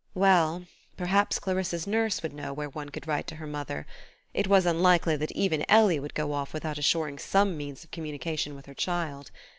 Well perhaps Clarissa's nurse would know where one could write to her mother; it was unlikely that even Ellie would go off without assuring some means of communication with her child.